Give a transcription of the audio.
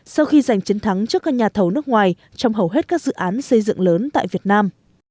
sau khi giành chiến thắng trước các nhà thầu nước ngoài trong hầu hết các dự án xây dựng lớn tại việt nam